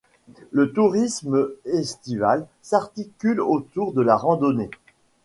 Le tourisme estival s’articule autour de la randonnée.